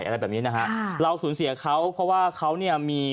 เมื่อไหร่อะไรแบบนี้นะฮะค่ะเราสูญเสียเขาเพราะว่าเขาเนี่ยมี